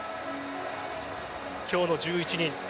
今日の１１人